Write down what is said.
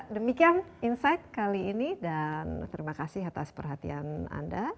demikian insight kali ini dan terima kasih atas perhatian anda